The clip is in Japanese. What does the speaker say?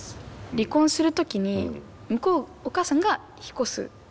離婚する時にお母さんが引っ越すって。